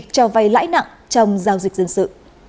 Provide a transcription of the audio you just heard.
cho vay lãi nặng trong giao dịch dân sự